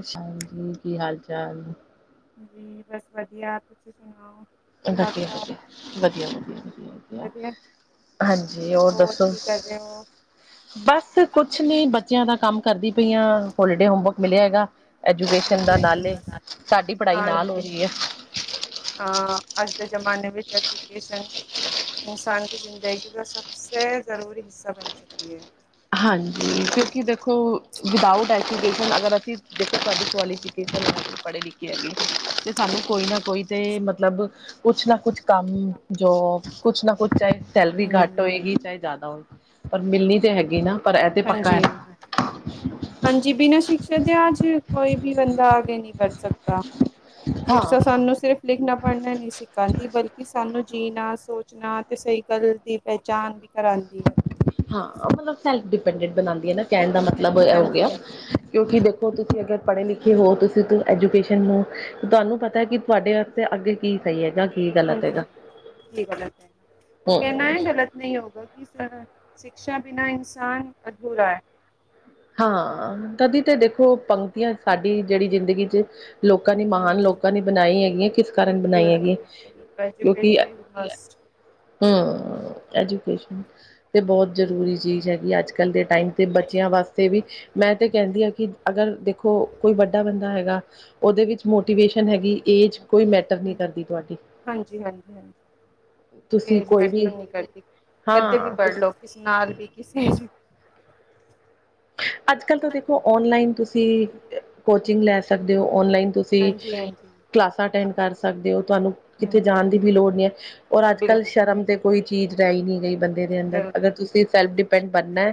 ਅ ਹਾਂਜੀ ਕੀ ਹਾਲ ਚਾਲ ਜੀ ਬਸ ਵਧੀਆ ਤੁਸੀਂ ਸੁਣਾਓ ਹਾਲ ਵਧੀਆ ਚਾਲ ਵਧੀਆ ਵਧੀਆ ਵਧੀਆ ਵਧੀਆ ਵਧੀਆ ਹਾਂਜੀ ਹੋਰ ਦੱਸੋ ਕੀ ਕਰ ਰਹੇ ਹੋ ਬਸ ਸਰ ਕੁਛ ਨੀ ਬੱਚਿਆਂ ਦਾ ਕੰਮ ਕਰਦੀ ਪਈਆਂ ਹੋਲੀਡੇ ਹੋਮਵਰਕ ਮਿਲਿਆ ਹੈਗਾ ਐਜੂਕੇਸ਼ਨ ਦਾ ਹਾਂਜੀ ਨਾਲੇ ਸਾਡੀ ਪੜ੍ਹਾਈ ਨਾਲ ਹੋ ਰਹੀ ਹੈ ਹ ਅੱਜ ਦੇ ਜ਼ਮਾਨੇ ਵਿੱਚ ਐਜੂਕੇਸ਼ਨ ਇਨਸਾਨ ਦੀ ਜ਼ਿੰਦਗੀ ਦਾ ਸਭ ਸ ਜ਼ਰੂਰੀ ਹਿੱਸਾ ਬਣ ਚੁੱਕੀ ਹੈ ਹਾਂਜੀ ਕਿਉਂਕਿ ਦੇਖੋ ਵਿਦਾਊਟ ਐੂਜੂਕੇ ਸ਼ਨ ਅਗਰ ਅਸੀਂ ਦੇੋ ਤੁਹਾਡੀ ਕੋਆਲਿਟੀ ਪੜ੍ਹੇ ਲਿਖੇ ਹੈਗੇ ਤੇ ਸਾਨੂੰ ਕੋਈ ਨਾ ਕੋਈ ਤੇ ਮਤਲਬ ਕੁਛ ਨਾ ਕੁਛ ਕੰਮ ਜੋਬ ਕੁਛ ਨਾ ਕੁੱਛ ਚਾਹੇ ਸੈਲਰੀ ਘੱਟ ਹਾਂਜੀ ਹੋਏਗੀ ਚਾਹੇ ਜ਼ਿਆਦਾ ਹੋਏਗੀ ਪਰ ਮਿਲ ਨਾ ਪਰ ਇਹ ਤਾਂ ਪੱਕਾ ਹੈ ਹਾਂਜੀ ਹਾਂਜੀ ਬਿਨਾਂ ਸ਼ਿਕਸ਼ਾ ਦੇ ਅਜ ਕੋਈ ਵੀ ਬੰਦਾ ਅਗੇ ਨਹੀਂ ਵਧ ਸਕਦਾ ਹਾਂ ਸ਼ਿਕਸ਼ਾ ਸਾਨੂੰ ਸਿਰਫ ਲਿਖਣਾ ਪੜ੍ਹਨਾ ਨਹੀਂ ਸਿਖਾਂਦੀ ਬਲਕਿ ਸਾਨੂੰ ਜੀਣਾ ਸੋਚਣਾ ਅਤੇ ਸਹੀ ਗੱਲ ਦੀ ਪਹਿਚਾਣ ਵੀ ਕਰਾਂਦੀ ਹੈ ਹਾਂ ਮਤਲਬ ਸੈ ਲਫ ਡਿਪੈਂਡਿਟ ਬਣਾਦੀ ਆ ਨਾ ਕਹਿਣ ਦਾ ਮਤਲਬ ਐਹੋ ਗਿਆ ਹਾਂਜੀ ਕਿਉਂਕਿ ਦੇਖੋ ਤੁਸੀਂ ਅਗਰ ਪੜ੍ਹੇ ਲਿਖੇ ਹੋ ਤੁਸੀਂ ਤ ਐਜੂਕੇਸ਼ਨ ਨੂੰ ਤੁਹਾਨੂੰ ਪਤਾ ਕਿ ਤੁਹਾਡੇ ਵਾਸਤੇ ਅੱਗੇ ਕੀ ਸਹੀ ਹੈਗਾ ਕੀ ਗਲਤ ਹਾਂਜੀ ਹੈਗਾ ਕੀ ਗਲਤ ਹੈ ਉਹ ਕਹਿਣਾ ਹੈ ਗਲਤ ਨਹੀਂ ਹੋਗਾ ਕਿਸ ਸ਼ਿਕਸ਼ਾ ਬਿਨਾਂ ਇਨਸਾਨ ਅਧੂਰਾ ਹੈ ਹਾਂ ਤਦੀ ਤੇ ਦੇਖੋ ਪੰਕਤੀਆਂ ਸਾਡੀ ਜਿਹੜੀ ਜ਼ਿੰਦਗੀ ਚ ਲੋਕਾਂ ਨੇ ਮਹਾਨ ਲੋਕਾਂ ਨੇ ਬਣਾਈ ਹੈਗੀ ਹੈ ਕਿਸ ਕਾਰਨ ਬਣਾਈ ਬਿਲਕੁਲ ਹੈਗੀ ਹੈ ਐਜੂਕੇਸ਼ਨ ਇਜ਼ ਮਸਟ ਹਮ ਐਜੂਕੇਸ਼ਨ ਤੇ ਬੋਤ ਜ਼ਰੂਰੀ ਚੀਜ਼ ਹੈਗੀ ਅੱਜ ਕੱਲ੍ਹ ਦੇ ਟਾਈਮ ਤੇ ਬੱਚਿਆਂ ਵਾਸ। ਵੀ ਮੈਂ ਤੇ ਕਹਿੰਦੀ ਆਂ ਕਿ ਅਗਰ ਦੇਖੋ ਕੋਈ ਵੱਡਾ ਬੰਦਾ ਹੈਗਾ ਉਹਦੇ ਵਿੱਚ। ਮੋਟੀਵੇਸ਼ਨ ਹੈਗੀ ਏਜ ਕੋਈ ਮੈਟਰ ਨਹੀਂ ਕਰਦੀ ਤੁਹਾਡੀ। ਹਾਂਜੀ ਹਾਂਜੀ ਹਾਂਜੀ ਤੁਸੀਂ ਏਜ ਕੋਈ ਵੀ ਮੈਟਰ ਨਹੀਂ ਕਰਦੀ ਕਦੇ ਵੀ ਹਾਂ ਪੜ ਤੁਸ ਲਓ ਕਿਸੇ ਨਾਲ ਵੀ ਕਿਸੇ ਏਜ ਵੀ। ਅੱਜ ਕੱਲ੍ਹ ਤਾਂ ਦੇਖ। ਖੋ ਔਨਲਾਈਨ ਤੁਸੀਂ ਅ ਕੋਚਿੰਗ ਲੈ ਸਕਦੇ ਓ, ਔਨਲਾਈਨ ਤੁਸੀਂ। ਹਾਂਜੀ ਹਾਂਜੀ ਕਲਾਸਾਂ ਅਟੈਂਡ ਕਰ ਸਕਦੇ ਓ ਤੁਹਾਨੂੰ ਕਿਤੇ ਜਾਣ ਦੀ ਵੀ ਲੋੜ ਨੀ ਐ। ਔਰ ਅੱਜ ਕੱਲ ਸ਼ਰਮ ਤੇ ਕੋਈ ਚੀਜ਼ ਰਹਿ ਹੀ ਨਹੀਂ ਗਈ ਬੰਦੇ ਦੇ ਅੰਦਰ, ਬਿਲਕੁਲ ਅਗਰ ਤੁਸੀਂ ਸੈਲਫ ਡਿਪੈਂਡ ਬਣਨਾ ਐ।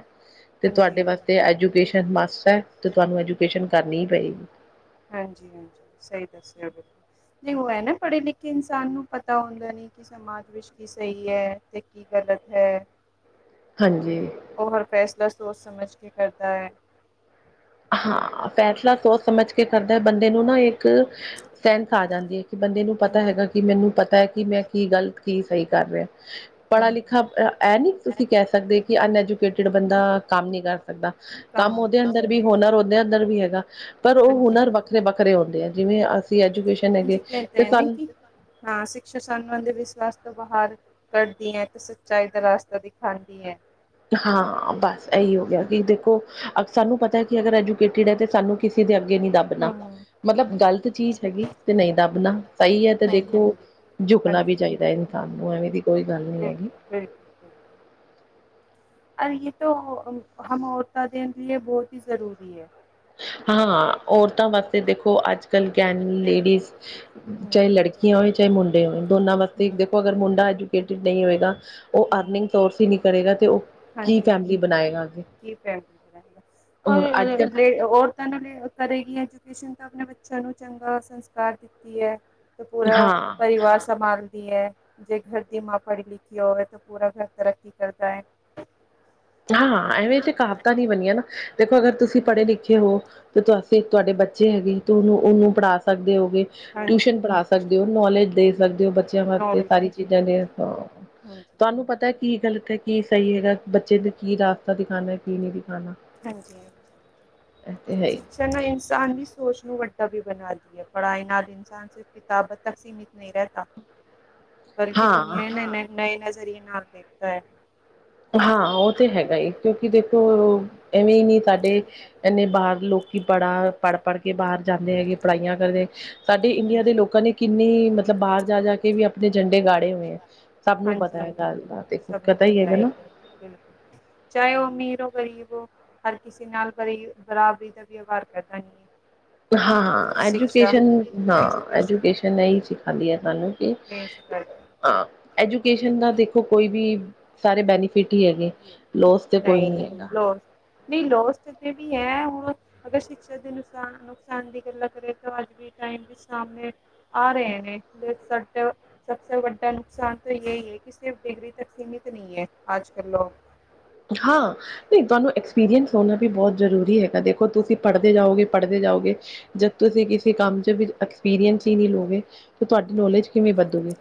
ਹਾਂਜੀ-ਹਾਂਜੀ। ਤੇ ਐਜੂਕੇਸ਼ਨ ਮਸਟ ਐ, ਤੇ ਤੁਹਾਨੂੰ ਐਜੂਕੇਸ਼ਨ ਕਰਨੀ ਈ ਪਏਗੀ। ਹਾਂਜੀ-ਹਾਂਜੀ, ਸਹੀ ਦੱਸਿਆ ਬਿਲਕੁਲ, ਨੀ ਊ ਐ ਨਾ ਪੜ੍ਹੇ ਲਿਖੇ ਇਨਸਾਨ ਨੂੰ ਪਤਾ ਹੁੰਦਾ ਨੀ ਕਿ ਸਮਾਜ ਵਿੱਚ ਕੀ ਸਹੀ ਐ ਤੇ ਕੀ ਗਲਤ ਹੈ। ਹਾਂਜੀ। ਉਹ ਹਰ ਫੈਸਲਾ ਸੋਚ ਸਮਝ ਕੇ ਕਰਦਾ ਐ। ਹਾਂ ਫੈਸਲਾ ਸੋਚ ਸਮਝ ਕੇ ਕਰਦਾ ਐ, ਬੰਦੇ ਨੂੰ ਨਾ ਇੱਕ ਸੈਂਸ ਆ ਜਾਂਦੀ ਐ। ਬੰਦੇ ਨੂੰ ਪਤਾ ਹਾਂਜੀ ਹੈਗਾ ਕਿ ਮੈਨੂੰ ਪਤਾ ਐ ਕਿ ਮੈਂ ਕੀ ਗਲਤ ਕੀ ਸਹੀ ਹਾਂਜੀ ਕਰ ਰਿਹਾ। ਪੜ੍ਹਾ ਲਿਖਾ ਐ ਨਹੀਂ ਤੁਸੀਂ ਕਹਿ ਸਕਦੇ ਕਿ ਅਨਐਜੂਕੇਟਿਡ ਬੰਦਾ ਕੰਮ ਨਹੀਂ ਕਰ ਸਕਦਾ। ਕਾਂ ਕੰਮ ਉਹਦੇ ਅੰਦਰ ਵੀ ਹੁਨਰ ਉਹਦੇ ਅੰਦਰ ਵੀ ਹੈਗਾ। ਪਰ ਉਹ ਹਾਂਜੀ ਹੁਨਰ ਹਾਂਜੀ ਵੱਖਰੇ ਵੱਖਰੇ ਹੁੰਦੇ ਐ ਜਿਵੇਂ ਅਸੀਂ ਐਜੂਕੇਸ਼ਨ ਹੈਗੇ। ਤੇ ਨੇ ਸਾਨੂੰ ਕਿ ਹਾਂ ਸਿਕਸ਼ਾ ਸਾਨ ਵਿਸ਼ਵਾਸ ਤੋਂ ਬਾਹਰ [unintelligible] ਕਰਦੀ ਐ ਤੇ ਸੱਚਾਈ ਦਾ ਰਾਸਤਾ ਦਿਖਾਂਦੀ ਐ। ਹਾਂ ਬਸ ਇਹੀ ਹੋ ਗਿਆ ਕਿ ਦੇਖੋ ਸਾਨੂੰ ਪਤਾ ਕਿ ਅਗਰ ਐਜੂ ਕੈਟਿਡ ਆ ਤੇ ਸਾਨੂੰ ਕਿਸੇ ਦੇ ਅੱਗੇ ਨੀ ਦੱਬਣਾ। ਹਾਂਜੀ ਮਤਲਬ ਗ਼ਲਤ ਚੀਜ਼ ਹੈਗੀ ਤੇ ਨਹੀਂ ਦਾਬਣਾ ਸਹੀ ਐ ਤੇ ਦੇਖੋ ਬਿਲਕੁਲ ਜੁਕਣਾ ਵੀ ਚਾਹੀਦਾ ਇਨਸਾਨ ਨੂੰ, ਐਵੇਂ ਦੀ ਕੋਈ ਗੱਲ ਨਹੀਂ ਹੈਗੀ। [unintelligible] ਇਹੀ ਤੋਂ ਹਮ ਹਮ ਔਰਤਾ ਦੇ ਲ ਬਹੁਤ ਹੀ ਜ਼ਰੂਰੀ ਏ। ਹਾਂ ਔਰਤਾਂ ਵਾਸਤੇ ਦੇਖੋ ਅੱਜ-ਕੱਲ੍ਹ ਗਨ ਲੇਡੀਜ਼ ਚਾਹੇ ਲੜਕੀਆਂ ਹੋਏ ਚਾਹੇ ਮੁੰਡੇ ਹੋਨ, ਦੋਨਾਂ ਵਾਸਤੇ ਹਮ। ਦੇਖੋ ਅਗਰ ਮੁੰਡਾ ਐਜੂਕੇਟਿਡ ਨਹੀਂ ਹੋਏਗਾ। ਉਹ ਦੋਨਾਂ ਹਮ। ਅਰਨਿੰਗ ਸੌਰਸ ਈ ਕਰੇਗਾ ਤੇ ਉਹ ਕੀ ਹਾਂਜੀ ਫੈਮਲੀ ਹਾਂਜੀ ਬਣਾਏਗਾ ਅਗੇ। ਕੀ [unintelligible] ਔਰਤਾਂ ਨੂੰ ਲ ਕਰੇਗੀ ਐਜੂਕੇਸ਼ਨ ਤਾਂ ਆਪਣੇ ਬੱਚਿਆਂ ਨੂੰ ਚੰਗਾ ਸੰਸਕਾਰ ਦਿੱਤੀ ਐ। ਤੇ ਪੂਰਾ ਹਾਂ ਪਰਿਵਾਰ ਸੰਭਾਲਦੀ ਐ। ਜੇ ਘਰ ਦੀ ਮਾ ਪੜੀ-ਲਿਖੀ ਹੋਵੇ ਤਾਂ ਪੂਰਾ ਘਰ ਤਰੱਕੀ ਕਰਦਾ ਐ। ਹਾਂ ਐਵੇਂ ਤੇ ਕਾਵਤਾਂ ਨੀ ਬਣੀਆਂ ਨਾ, ਦੇਖੋ ਅਗਰ ਤੁਸੀਂ ਪੜ੍ਹੇ ਲਿਖੇ ਹੋ, ਤੇ ਤੁਹਾਸ ਫਿਰ ਤੁਹਾਡੇ ਬੱਚੇ ਹੈਗੇ ਤੁ ਉਹਨੂੰ-ਉਹਨੂੰ ਪੜ੍ਹਾ ਸਕਦੇ ਹੋਗੇ। ਟਿਊਸ਼ਨ ਪੜ੍ਹਾ ਸਕਦੇ ਹੋ ਨੌਲੇਜ ਦੇ ਸਕਦੇ ਹੋ ਬੱਚਿਆਂ ਵਾਸਤੇ ਸਾਰੀ ਚੀਜ਼ਾਂ ਨੇ ਆ। ਚੀਜ਼ਾਂ ਹਾਂਜੀ ਤੁਹਾਨੂੰ ਪਤਾ ਕੀ ਗਲਤ ਐ ਕੀ ਸਹੀ ਹੈਗਾ ਬੱਚੇ ਦੇ ਕੀ ਰਾਸਤਾ ਦਿਖਾਣਾ ਕੀ ਨਹੀਂ ਦਿਖਾਣਾ। ਹਾਂਜੀ। ਐ ਤੇ ਹੈ ਈ। ਹਨਾ ਇਨਸਾਨ ਦੀ ਸੋਚ ਨੂੰ ਵੱਡਾ ਵੀ ਬਣਾਦੀ ਐ, ਪੜ੍ਹਾਈ ਨਾਲ ਇਨਸਾਨ ਸ ਕਿਤਾਬਾ ਤੱਕ ਸੀਮਿਤ ਨਹੀਂ ਰਹਿੰਦਾ। ਬਲਕਿ ਹਾਂ ਦੁਨੀਆਂ ਨੁੰ ਨਏ ਨਜ਼ਰੀਏ ਨਾਲ ਦੇਖਦਾ ਐ। ਹਾਂ, ਉਹ ਤੇ ਹੈਗਾ ਈ ਕਿਉਂਕਿ ਦੇਖੋ ਐਵੇਂ ਈ ਨਹੀਂ ਸਾਡੇ ਇਨੇ ਬਾਹਰ ਲੋਕੀ ਪੜ੍ਹਾ ਪੜ੍ਹ-ਪੜ੍ਹ ਕੇ ਬਾਹਰ ਜਾਂਦੇ ਹੈਗੇ, ਪੜ੍ਹਾਈਆਂ ਕਰਦੇ। ਸਾਡੇ ਇੰਡੀਆ ਦੇ ਲੋਕਾਂ ਨੇ ਕਿੰਨੀ ਮਤਲਬ ਬਾਹਰ ਜਾ-ਜਾ ਕੇ ਵੀ ਆਪਣੇ ਝੰਡੇ ਗਾੜੇ ਹੋਏ ਐ। ਸਭ ਨੂੰ ਪਤਾ ਐ ਹਾਂਜੀ-ਹਾਂਜੀ ਗੱਲ ਦਾ ਬਿਲਕੁਲ ਦੇਖੋ ਸਭ ਨੂੰ ਪਤਾ ਹੀ ਹੈਗਾ ਹੈ ਨਾ। ਬਿਲਕੁਲ। ਚਾਹੇ ਉਹ ਅਮੀਰ ਓ ਗ਼ਰੀਬ ਓ। ਹਰ ਕਿਸੇ ਨਾਲ ਬਰੀ-ਬਰਾਬਰੀ ਦਾ ਵਿਵਹਾਰ ਕਰਨਾ ਨੀ ਏ। ਹਾਂ-ਹਾਂ, ਐਜੂਕੇਸ਼ਨ ਨਾ ਐਜੂਕੇਸ਼ਨ ਨਈ ਸਿਖਾਂਦੀ ਆ ਸਾਨੂੰ ਕਿ ਹਾਂ, ਐਜੂਕੇਸ਼ਨ ਦਾ ਦੇਖੋ ਕੋਈ ਵੀ, ਸਾਰੇ ਬੈਨੀਫਿਟ ਈ ਹੈਗੇ, ਲੋਸ ਤੇ ਕੋਈ ਨਹੀਂ ਨੀ ਹੈਗਾ। ਲੋਸ, ਨਹੀਂ ਲੋਸ ਤੇ ਬੇਵੀ ਹੈ ਔਰ। ਅਗਰ ਸ਼ਿਕਸ਼ਾ ਦੇ ਨੁਸ ਨੁਕਸਾਨ ਦੀ ਗੱਲਾਂ ਕਰੇ ਤਾਂ ਅੱਜ ਵੀ ਟਾਈਮ ਵਿੱਚ ਸਾਹਮਣੇ ਆ ਰਏ ਨੇ ਦੇਖ ਸਕਦੇ ਹੋ। ਸਭਸੇ ਵੱਡਾ ਨੁਕਸਾਨ ਤੋ ਏਈ ਏ ਕਿ ਸਿਰਫ ਡਿਗਰੀ ਤੱਕ ਸੀਮਤ ਨੀ ਏ, ਆਜ-ਕੱਲ ਲੋਕ। ਹਾਂ ਨਈ ਤੁਆਨੂੰ ਐਕਸਪੀਰੀਅੰਸ ਹੋਣਾ ਵੀ ਬਹੁਤ ਜ਼ਰੂਰੀ ਹੈਗਾ। ਦੇਖੋ ਤੁਸੀਂ ਪੜਦੇ ਜਾਓਗੇ, ਪੜਦੇ ਜਾਓਗੇ ਜਦ ਤੁਸੀਂ ਕਿਸੀ ਕੰਮ ਚ ਫਿਰ ਐਕਸਪੀਰੀਅੰਸ ਈ ਨਈ ਲੋਗੇ ਤਾਂ ਤੁਆਡੀ ਨੌਲੇਜ ਕਿਵੇਂ ਵਦੂਗੀ।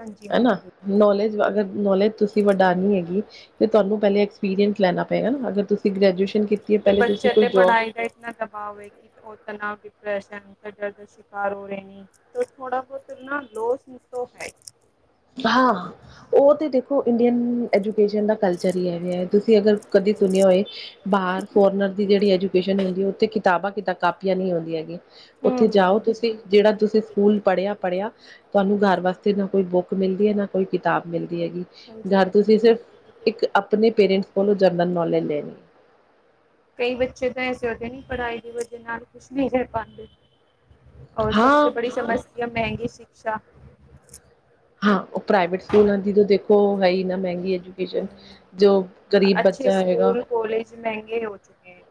ਹਾਂਜੀ ਹੈ ਨਾ, ਹਾਂਜੀ ਤੇ ਨੌਲੇਜ ਅਗਰ ਨੌਲੇਜ ਤੁਸੀਂ ਵਡਾਨੀ ਹੇਗੀਏ ਤੇ ਤੁਆਨੂੰ ਪਹਿਲੇ ਐਕਸਪੀਰੀਅੰਸ ਲੈਣਾ ਪਏਗਾ ਨਾ, ਅਗਰ ਤੁਸੀਂ ਗ੍ਰੈਜੂਏਸ਼ਨ ਕੀਤੀ ਐ ਪਹਿਲੇ ਤੁਸੀਂ ਕੋਈ ਜੋਬ [inaudible] ਦਬਾਓ ਐ ਕਿ ਉਹ ਤਨਾਓ, ਡਿਪਰੈਸ਼ਨ ਦਾ ਡਰ ਦਾ ਸ਼ਿਕਾਰ ਹੋ ਰਏ ਨੀ। ਤੋ ਥੋੜਾ ਬਹੁਤ ਨਾ ਲੋਸ ਤੋ ਹੈ ਈ। ਹਾਂ ਓ ਤੇ ਦੇਖੋ ਇੰਡੀਅਨ ਐਜੂਕੇਸ਼ਨ ਦਾ ਕਲਚਰ ਈ ਐਂਵੇ ਐ। ਤੁਸੀਂ ਅਗਰ ਕਦੀ ਸੁਣਿਆ ਹੋਏ ਬਾਹਰ ਫੋਰਨਰ ਦੀ ਜਿਹੜੀ ਐਜੂਕੇਸ਼ਨ ਹੁੰਦੀ ਏ, ਉੱਥੇ ਕਿਤਾਬਾਂ ਕਿੱਦਾਂ ਕਾਪੀਆਂ ਨੀ ਹੁੰਦੀਆ ਐ ਗੀਆ। ਹੂੰ ਉੱਥੇ ਹੂੰ ਜਾਓ ਹੂੰ ਤੁਸੀਂ, ਜਿਹੜਾ ਤੁਸੀਂ ਸਕੂਲ ਪੜਿਆ-ਪੜਿਆ, ਤੁਆਨੂੰ ਘਾਰ ਵਾਸਤੇ ਨਾ ਕੋਈ ਬੁੱਕ ਮਿਲਦੀ ਐ ਨਾ ਕੋਈ ਕਿਤਾਬ ਮਿਲਦੀ ਐਗੀ ਹਾਂਜੀ ਘਰ ਹਾਂਜੀ ਤੁਸੀਂ ਸਿਰਫ ਇੱਕ ਅਪਨੇ ਪੇਰੈਂਟਸ ਕੋਲੋਂ ਜਰਨਲ ਨੌਲੇਜ ਲੇਨੀ ਏ। ਕਈ ਬੱਚੇ ਤਾਂ ਐੇਸੇ ਹੋਤੇ ਐ ਨਹੀਂ ਪੜਾਈ ਦੀ ਵਜੇ ਨਾਲ ਕੁਸ਼ ਨਈ ਕਰ ਪਾਂਦੇ। ਔਰ ਸਭਸੇ ਹਾਂ ਬੜੀ ਸਮੱਸਿਆ ਮਹਿੰਗੀ ਸ਼ਿਕਸ਼ਾ। ਹਾਂ, ਓ ਪ੍ਰਾਈਵੇਟ ਹੂੰ ਸਕੂਲਾਂ ਦੀ ਤਾਂ ਦੇਖੋ, ਹੈ ਈ ਨਾ ਮਹਿੰਗੀ ਐਜੂਕੇਸ਼ਨ। ਜੋ ਗਰੀਬ ਬੱਚਾ ਹੈਗਾ ਸਕੂਲ-ਕਾਲਜ ਮਹਿੰਗੇ ਹੋ ਚੁੱਕੇ ਏ।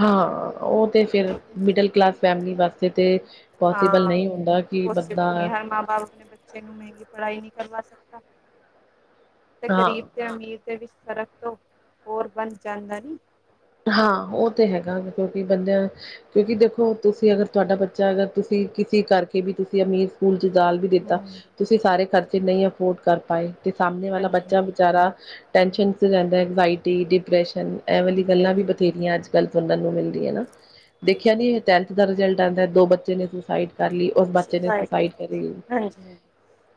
ਹਾਂ, ਓਹ ਤੇ ਫਿਰ ਮਿਡਲ ਕਲਾਸ ਫੈਮਲੀ ਵਾਸਤੇ ਤੇ ਪੋਸੀਬਲ ਨਈ ਹੁੰਦਾ ਕਿ ਬੰਦਾ [unintelligible] ਅਪਨੇ ਬੱਚੇ ਨੂੰ ਮਹਿੰਗੀ ਪੜਾਈ ਨਈ ਕਰਵਾ ਸਕਤਾ, ਫਿਰ ਹਾਂ ਗਰੀਬ ਤੇ ਅਮੀਰ ਦੇ ਵਿੱਚ ਫਰਕ ਤੋ ਹੋਰ ਬਣ ਜਾਂਦਾ ਨੀ ਹਾਂ, ਓਹ ਤੇ ਹੈਗਾ ਕਿਉਂਕਿ ਬੰਦਿਆਂ, ਕਿਉਂਕਿ ਦੇਖੋ ਤੁਸੀਂ ਅਗਰ ਤੁਆਡਾ ਬੱਚਾ ਅਗਰ ਤੁਸੀਂ ਕਿਸੀ ਕਰਕੇ ਵੀ ਤੁਸੀਂ ਅਮੀਰ ਸਕੂਲ ਚ ਡਾਲ ਵੀ ਦਿੱਤਾ ਤੁਸੀਂ ਸਾਰੇ ਖਰਚੇ ਨਈ ਹਾਂਜੀ ਅਫੋਰਡ ਕਰ ਪਾਏ, ਤੇ ਸਾਹਮਣੇ ਵਾਲਾ ਹਾਂਜੀ ਬੱਚਾ ਵਿਚਾਰਾ ਟੈਂਸ਼ਨ ਚ ਰਹਿੰਦਾ। ਐੰਗਜਾਇਟੀ, ਡਿਪਰੈਸ਼ਨ ਐ ਵਾਲੀ ਗੱਲਾਂ ਵੀ ਹਾਂਜੀ ਹਾਂਜੀ ਬਥੇਰੀਆਂ ਅੱਜ-ਕੱਲ ਸੁਣਨ ਨੂੰ ਮਿਲਦੀਐ ਨਾ। ਦੇਖਿਆ ਹਾਂਜੀ ਨੀ ਟੈਂਥ ਦਾ ਰਿਜ਼ਲਟ [unintelligible] ਦੋ ਬੱਚੇ ਨੇ ਸੁਸਾਈਡ ਕਰ ਲੀ। ਸੁਸਾਈਡ [unintelligible] ਹਾਂਜੀ ਹ,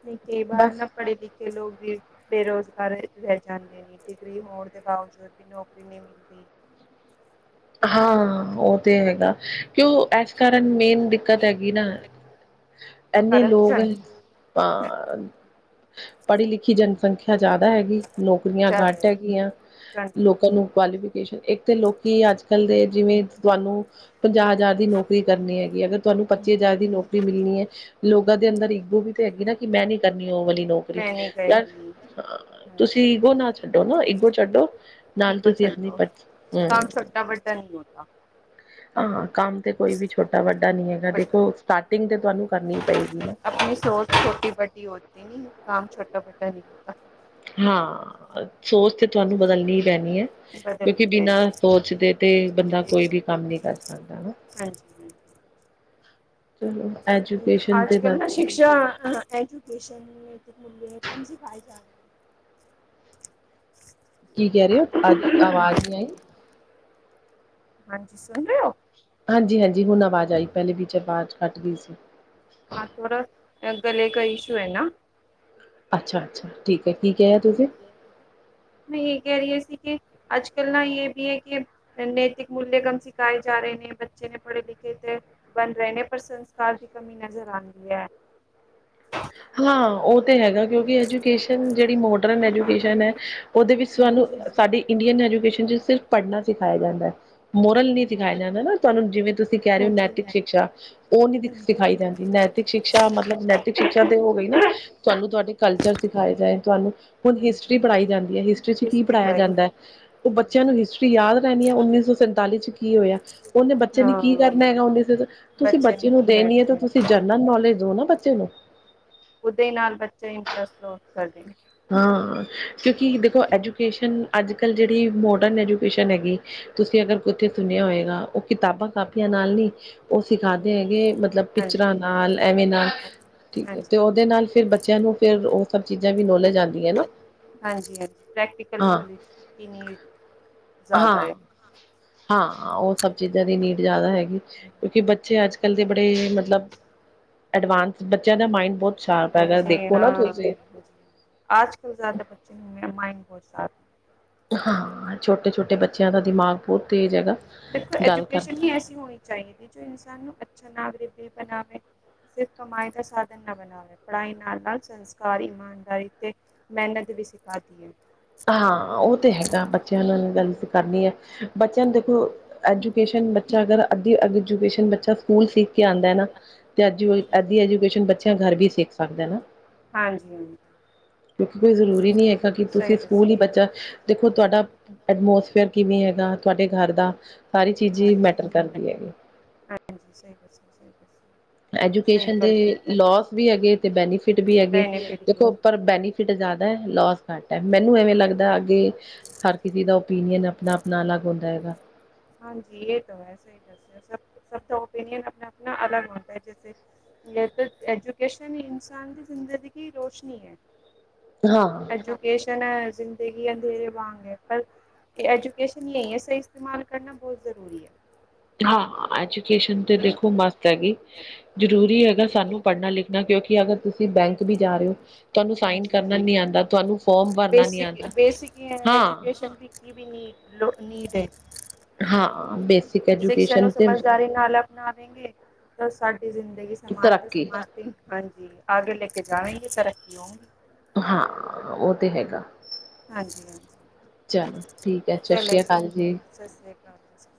ਨਈ ਕਈ ਵਾਰ ਬਸ ਨਾ ਪੜੇ-ਲਿਖੇ ਲੋਕ ਵੀ, ਬੇਰੋਜ਼ਗਾਰ ਰਹਿ ਜਾਂਦੇ ਨੇ, ਡਿਗਰੀ ਹੋਣ ਦੇ ਬਾਵਜੂਦ ਵੀ ਨੌਕਰੀ ਨਈ ਮਿਲਦੀ। ਹਾਂ, ਓਹ ਤੇ ਹੈਗਾ, ਕਿਉਂ ਏਸ ਕਾਰਨ ਮੇਨ ਦਿੱਕਤ ਐਗੀ ਨਾ ਇੰਨੇ ਲੋਗ ਐਨ, ਤਾਂ ਪੜੀ-ਲਿਖੀ ਜਨਸੰਖਿਆ ਜ਼ਿਆਦਾ ਹੈਗੀ, ਨੌਕਰੀਆਂ ਗਟ ਹੈਗੀਆਂ। ਲੋਕਾਂ ਨੂੰ ਕੁਆਲੀਫਿਕੇਸ਼ਨ, ਇੱਕ ਤੇ ਲੋਕੀ ਅੱਜ-ਕੱਲ ਦੇ ਜਿਵੇਂ ਤੁਆਨੂੰ ਪੰਜਾਹ ਹਜ਼ਾਰ ਦੀ ਨੌਕਰੀ ਕਰਨੀ ਐਗੀ ਏ, ਅਗਰ ਤੁਹਾਨੂੰ ਹਮ ਪੱਚੀ ਹਮ ਹਜ਼ਾਰ ਦੀ ਨੌਕਰੀ ਮਿਲਨੀ ਏ ਲੋਗਾਂ ਦੇ ਅੰਦਰ ਈਗੋ ਵੀ ਤੇ ਹੈਗੀ ਨਾ ਕੇ ਮੈਂ ਨੀ ਕਰਨੀ ਓ ਵਾਲੀ ਨੌਕਰੀ। ਯਾਰ, ਗਈ ਅੰ ਤੁਸੀਂ ਹਾਂਜੀ ਈਗੋ ਨਾ ਛੱਡੋ ਨਾ ਈਗੋ ਛੱਡੋ, ਨਾਲ ਤੁਸੀਂ ਅਪਨੀ ਪਰ [inaudible] ਕਾਮ ਛੋਟਾ-ਵੱਡਾ ਨਈ ਹੋਤਾ। ਹਾਂ ਕੰਮ ਤੇ ਕੋਈ ਵੀ ਛੋਟਾ-ਵੱਡਾ ਨਈ ਹੈਗਾ ਦੇਖੋ ਸਟਾਟਿੰਗ ਤੇ ਤੁਆਨੂੰ ਕਰਨੀ ਈ ਪਏਗੀ ਨਾ। ਆਪਨੀ ਸੋਚ ਛੋਟੀ ਵੱਡੀ ਹੋਤੀ ਨੀ ਕੰਮ ਛੋਟਾ ਵੱਡਾ ਨੀ ਹੋਤਾ। ਹਾਂ, ਸੋਚ ਤੇ ਤੁਆਨੂੰ ਬਦਲਨੀ ਈ ਪੈਨੀ ਐ, ਕਿਓਂਕਿ ਬਦਲਣੀ ਪੈਣੀ ਹੈ, ਬਿਨਾਂ ਸੋਚ ਦੇ ਤੇ ਬੰਦਾ ਕੋਈ ਵੀ ਕੰਮ ਨਈ ਕਰ ਸਕਦਾ ਹਨਾ। ਹਾਂਜੀ-ਹਾਂਜੀ। ਚਲੋ ਐਜੂਕੇਸ਼ਨ ਤੇ ਅੱਜ-ਕੱਲ ਬਸ ਨਾ ਸ਼ਿਕਸ਼ਾ ਐਜੂਕੇਸ਼ਨ ਮੁੂਲ [unintelligible] ਕਮ ਸਿਖਾਈ ਜਾ ਰਈ ਐ। ਕੀ ਕੈ ਰੇ ਓਂ ਅ ਆਵਾਜ਼ ਨੀ ਆਈ। ਹਾਂਜੀ ਸੁਨ ਰਏ ਓਂ। ਹਾਂਜੀ-ਹਾਂਜੀ ਹੁਨ ਆਵਾਜ਼ ਆਈ ਪੈਲੇ ਵਿੱਚ ਆਵਾਜ਼ ਕੱਟਦੀ ਸੀ। ਹਾਂ ਥੋੜਾ ਗਲੇ ਕਾ ਇਸ਼ੂ ਐ ਨਾ। ਅੱਛਾ-ਅੱਛਾ ਠੀਕ ਐ ਕੀ ਕਿਆ ਤੁਸੀਂ। ਮੈਂ ਯੇ ਕੈ ਰਈ ਸੀ ਕੇ ਅੱਜ-ਕੱਲ ਨਾ ਯੇ ਵੀ ਐ ਕੇ ਨੈਤਿਕ ਮੂਲਯ ਕਮ ਸਿਖਾਏ ਜਾ ਰਏ ਨੇ ਬੱਚੇ ਨੇ ਪੜੇ ਲਿਖੇ ਤੇ ਬਨ ਰਏ ਨੇ ਪਰ ਸੰਸਕਾਰ ਦੀ ਕਮੀ ਨਜ਼ਰ ਆਂਦੀ ਐ। ਹਾਂ ਓ ਤੇ ਹੈਗਾ ਕਿਓਂਕਿ ਐਜੂਕੇਸ਼ਨ ਜੇੜੀ ਮੋਡਰਨ ਐਜੂਕੇਸ਼ਨ ਐ ਓਦੇ ਵਿੱਚ ਸਾਨੂੰ ਸਾਡੀ ਇੰਡੀਅਨ ਐਜੂਕੇਸ਼ਨ ਚ ਸਿਰਫ ਪੜਨਾ ਸਿਖਾਇਆ ਜਾਂਦਾ ਐ, ਮੋਰਲ ਨੀ ਸਿਖਾਇਆ ਜਾਂਦਾ ਨਾ ਤੁਆਨੂੰ। ਜਿਵੇਂ ਤੁਸੀਂ ਕੈ ਰੇ ਓਂ ਨੈਤਿਕ ਸ਼ਿਕਸ਼ਾ ਓ ਨੀ ਦ ਉਹ ਸਿਖਾਈ ਜਾਂਦੀ ਨੈਤਿਕ ਸ਼ਿਕਸ਼ਾ ਮਤਲਬ ਨੈਤਿਕ ਸ਼ਿ ਸ਼ਿਕਸ਼ਾ ਤੇ ਹੋ ਗਈ ਨਾ ਤੁਆਨੂੰ ਤੁਆਡੇ ਕਲਚਰ ਅੱਜ ਕੱਲ ਸਿਖਾਏ ਜਾਏ ਤੁਆਨੂੰ ਹੁਨ ਹਾਂਜੀ ਹਿਸਟਰੀ ਪੜਾਈ ਜਾਂਦੀ ਐ ਹਿਸਟਰੀ ਚ ਕੀ ਪੜਾਇਆ ਪੜ੍ਹਾਈ ਜਾਂਦਾ ਐ। ਜਾਂਦੀ ਓ ਬੱਚਿਆਂ ਨੂੰ ਹਿਸਟਰੀ ਯਾਦ ਰੈਨੀ ਐ ਉੱਨੀ ਸੌ ਸੰਤਾਲੀ ਚ ਕੀ ਹੋਏਆ। ਓਨੇ ਬੱਚੇ ਨੇ ਕੀ ਕਰਨਾ ਹਾਂ ਹੈਗਾ ਓਨੇ ਤੁਸੀਂ ਬੱਚੇ ਨੇ ਨੂੰ ਕੀ ਦੇਨੀ ਐ ਕਰਨਾ ਤਾਂ ਤੁਸੀਂ ਹੈ ਜਨਰਲ ਨੌਲੇਜ ਦਿਓ ਨਾ ਬੱਚੇ ਨੂੰ। ਓਦੇ ਨਾਲ ਬੱਚੇ ਇੰਟਰਸਟ ਲੋਸ ਕਰਦੇ ਨੇ। ਹਾਂ ਕਿਓਂਕਿ ਦੇਖੋ ਐਜੂਕੇਸ਼ਨ ਅੱਜ-ਕੱਲ ਜੇੜੀ ਮੋਡਰਨ ਐਜੂਕੇਸ਼ਨ ਹੈਗੀ ਤੁਸੀਂ ਅਗਰ ਓਥੇ ਸੁਨੇਆ ਹੋਏਗਾ ਓ ਕਿਤਾਬਾਂ ਕਾਪੀਆਂ ਨਾਲ ਨੀ ਓ ਸਿਖਾਂਦੇ ਹੈਗੇ ਮਤਲਬ ਪਿਕਚਰਾਂ ਹਾਂਜੀ ਨਾਲ ਐਵੇਂ ਨਾਲ ਠੀਕ ਐ ਤੇ ਓਦੇ ਨਾਲ ਫੇਰ ਬੱਚਿਆਂ ਨੂੰ ਫੇਰ ਓ ਸਭ ਚੀਜ਼ਾਂ ਵੀ ਨੋਲੇਜ ਹਾਂਜੀ-ਹਾਂਜੀ ਪ੍ਰੈਕਟੀਕਲ ਹਾਂ ਨੋਲੇਜ ਦੀ ਨੀਡ ਜਾਦਾ ਹਾਂ ਐ। ਹਾਂ ਓ ਸਭ ਚੀਜ਼ਾਂ ਦੀ ਨੀਡ ਜਾਦਾ ਹੈਗੀ ਕਿਓਂਕਿ ਬੱਚੇ ਅੱਜ-ਕੱਲ ਦੇ ਬੜੇ ਮਤਲਬ ਐਡਵਾਂਸ ਬੱਚਿਆਂ ਦਾ ਮਾਇੰਡ ਬੋਤ ਸ਼ਾਰਪ ਹੈਗਾ ਦੇਖੋ ਨਾ ਤੁਸੀਂ। ਆਜ ਕਲ ਜ਼ਾਦਾ ਬੱਚੇ ਨੂੰ ਮੇਰਾ ਮਾਇੰਡ ਬੋਤ ਸ਼ਾਰਪ ਐ। ਹਾਂ ਛੋਟੇ-ਛੋਟੇ ਬੱਚਿਆਂ ਦਾ ਦਿਮਾਗ ਬੋਤ ਤੇਜ਼ ਹੈਗਾ, ਗੱਲ ਕਰ ਨੀ ਐਸੀ ਹੋਈਂ ਚਾਈਦੀ ਜੋ ਇਨਸਾਨ ਨੂੰ ਅੱਛਾ ਨਾਗਰਿਕ ਵੀ ਬਨਾਵੇ। ਸਿਰਫ ਕਮਾਈ ਦਾ ਸਾਧਨ ਨਾ ਬਨਾਵੇ ਪੜਾਈ ਨਾਲ-ਨਾਲ ਸੰਸਕਾਰ, ਇਮਾਨਦਾਰੀ ਤੇ ਮੇਅਨਤ ਵੀ ਸਿਖਾਤੀ ਏ। ਹਾਂ ਓ ਤੇ ਹੈਗਾ ਬੱਚਿਆਂ ਨਾਲ ਗੱਲ ਵੀ ਕਰਨੀ ਐ ਬੱਚਿਆਂ ਨੂੰ ਤੋ ਐਜੂਕੇਸ਼ਨ ਬੱਚਾ, ਅਗਰ ਅੱਦੀ ਐਜੂਕੇਸ਼ਨ ਬੱਚਾ ਸਕੂਲ ਸਿੱਖ ਕੇ ਆਂਦੈ ਨਾ ਤੇ ਐਜੂ, ਅੱਦੀ ਐਜੂਕੇਸ਼ਨ ਬੱਚਾ ਗਰ ਵੀ ਸਿੱਖ ਸਕਦਾ ਨਾ। ਹਾਂਜੀ ਹਾਂ। ਕਿਉਂਕਿ ਕੋਈ ਜ਼ਰੂਰੀ ਨੀਂ ਹੈਗਾ ਕਿ, ਤੁਸੀ ਸਕੂਲ ਈ ਬੱਚਾ ਦੇਖੋ ਤੁਆਡਾ ਐਟਮੋਸਫੇਅਰ ਕਿਵੇਂ ਹੈਗਾ, ਤੁਆਡੇ ਗਰ ਦਾ ਸਾਰੀ ਚੀਜ ਈ ਮੈਟਰ ਕਰਦੀ ਹੈਗੀ। ਹਾਂਜੀ, ਸਈ ਦੱਸੇਆ ਸਈ ਦਸ ਐਜੂਕੇਸ਼ਨ ਦੇ ਲੋਸ ਵੀ ਹੈਗੇ, ਤੇ ਬੈਨੀਫਿਟ ਵੀ ਹੈਗੇੋ ਬੈਨੀਫਿਟ ਹੈਗੇ ਵੀ ਦੇਖੋ ਪਰ ਬੈਨੀ ਫਿਟ, ਜਾਦਾ ਲੋਸ ਘੱਟ ਐ ਮੈਨੂੰ ਏਵੇਂ ਲੱਗਦਾ ਅੱਗੇ ਹਰ ਕਿਸੀ ਦਾ, ਓਪੀਨੀਅਨ ਆਪਨਾ-ਆਪਨਾ ਅਲੱਗ ਹੁੰਦਾ ਹੈਗਾ। ਹਾਂਜੀ, ਏ ਤੋ ਹੈ ਸਈ ਦੱਸੇਆ, ਸਬ-ਸਬ ਦਾ ਓਪੀਨੀਅਨ ਆਪਨਾ-ਆਪਨਾ ਅਲੱਗ ਹੁੰਦਾ ਐ ਜੈਸੇ ਜੈਸੇ ਐਜੂਕੇਸ਼ਨ ਇਨਸਾਨ ਦੀ ਜ਼ਿੰਦਗੀ ਕੀ ਰੋਸ਼ਨੀ ਐ। ਹਾਂ। ਐਜੂਕੇਸ਼ਨ ਐ ਜ਼ਿੰਦਗੀ ਅੰਧੇਰੇ ਵਾਂਗ ਐ, ਪਰ ਐਜੂਕੇਸ਼ਨ ਨਈ ਐ ਸਈ ਇਸਤੇਮਾਲ ਕਰਨਾ ਬੌਤ ਜ਼ਰੂਰੀ ਐ। ਹਾਂ, ਐਜੂਕੇਸ਼ਨ ਤੇ ਦੇਖੋ ਮਸਟ ਹੈਗੀ। ਜਰੂਰੀ ਹੈਗਾ ਸਾਨੂੰ ਪੜਨਾ-ਲਿਖਨਾ ਕਿਉਂਕਿ ਅਗਰ ਤੁਸੀ ਬੈਂਕ ਵੀ ਜਾ ਰਏ ਓ ਤੁਆਨੂੰ ਤੁਹਾਨੂੰ ਸਾਈਨ ਕਰਨਾ ਨੀਂ ਆਂਦਾ, ਤੁਆਨੂੰ ਫੋਰਮ ਭਰਨਾ ਨੀਂ ਬੇਸਿਕ ਆਂਦਾ। ਬੇਸਿਕ ਈ ਐ, ਹਾਂ ਐਜੂਕੇਸ਼ਨ ਦੀ ਕੀ ਵੀ ਨੀ ਲੋ ਨੀਡ ਐ। ਹਾਂ, ਬੇਸ ਸ਼ਿਕਸਾ ਨੂੰ ਸਮਝਦਾਰੀ ਨਾਲ ਅਪਨਾਵੇਂਗੇ, ਤਾਂ ਸਾਡੀ ਜ਼ਿੰਦਗੀ ਸਮਾਜ ਤੇ ਤਰੱਕੀ ਸਮਾਜ ਜੀ, ਹਾਂਜੀ ਆਗੇ ਲੈਕੇ ਜਾਵੇਂਗੇ ਤਰੱਕੀ ਹੋਂ ਗੀ ਹਾਂ, ਓ ਤੇ ਹੈਗਾ। ਹਾਂਜੀ-ਹਾਂਜੀ ਚਲੋ ਠੀਕ ਐ, ਸਤਿ ਸ਼੍ਰੀ ਅਕਾਲ ਜੀ। ਸਸ ਸ੍ਰੀ ਕਾਲ ਜੀ, ਸ